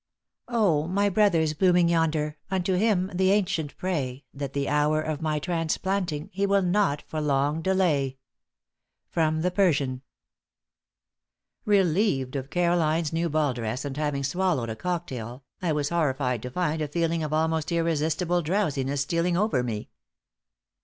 * Oh, my brothers blooming yonder, unto Him the ancient pray That the hour of my transplanting He will not for long delay. From the Persian. Relieved of Caroline's new ball dress and having swallowed a cocktail, I was horrified to find a feeling of almost irresistible drowsiness stealing over me.